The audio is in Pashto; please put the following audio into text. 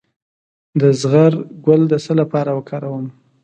د زغر ګل د څه لپاره وکاروم؟